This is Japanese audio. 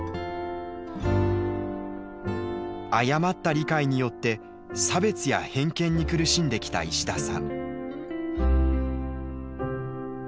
誤った理解によって差別や偏見に苦しんできた石田さん。